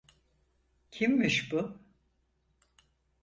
Kimmiş bu?